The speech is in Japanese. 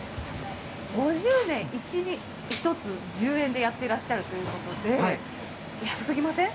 ５０年、１つ１０円でやってらっしゃるということで、安すぎません？